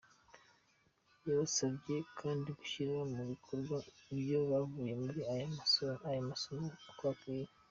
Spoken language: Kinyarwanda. Yabasabye kandi gushyira mu bikorwa ibyo bakuye muri aya masomo uko bikwiye.